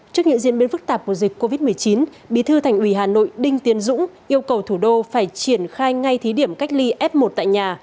trước những diễn biến phức tạp của dịch covid một mươi chín bí thư thành ủy hà nội đinh tiến dũng yêu cầu thủ đô phải triển khai ngay thí điểm cách ly f một tại nhà